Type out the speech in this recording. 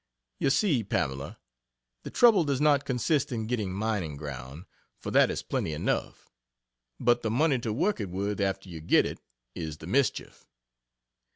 You see, Pamela, the trouble does not consist in getting mining ground for that is plenty enough but the money to work it with after you get it is the mischief.